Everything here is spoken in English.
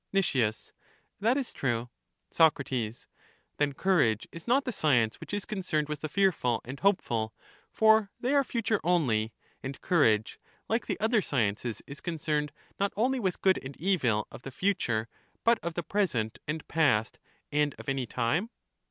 Nic, That is true. Soc, Then courage is not the science which is con cerned with the fearful and hopeful, for they are future only; and courage, like the other sciences, is concerned not only with good and evil of the future, but of the present, and past, and of any time?